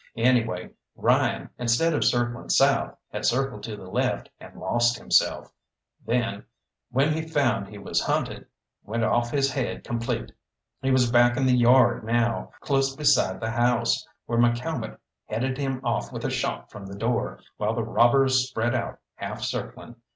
Anyway, Ryan, instead of circling south, had circled to the left and lost himself, then, when he found he was hunted, went off his head complete. He was back in the yard now, close beside the house, where McCalmont headed him off with a shot from the door, while the robbers spread out half circling.